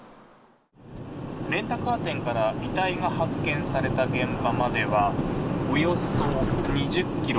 レンタカー店から遺体が発見された現場まではおよそ２０ｋｍ。